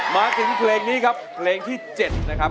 มาถึงเพลงนี้ครับเพลงที่๗นะครับ